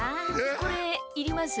これいります？